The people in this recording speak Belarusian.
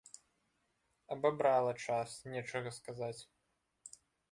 Абабрала час, нечага сказаць.